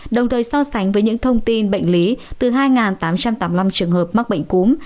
đồng thời so sánh với những thông tin bệnh lý từ hai tám trăm tám mươi năm trường hợp mắc bệnh cúm